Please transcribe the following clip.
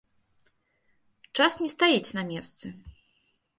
Час не стаіць на месцы.